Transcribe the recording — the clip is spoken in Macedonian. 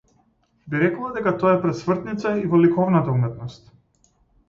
Би рекла дека тоа е пресвртница и во ликовната уметност.